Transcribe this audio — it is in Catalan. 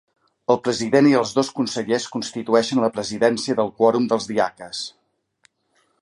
El president i els dos consellers constitueixen la presidència del quòrum dels diaques.